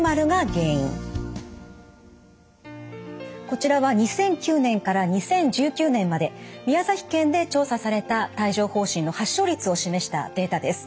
こちらは２００９年から２０１９年まで宮崎県で調査された帯状ほう疹の発症率を示したデータです。